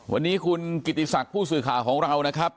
วันนี้คุณกิติศักดิ์ผู้สื่อข่าวของเรานะครับ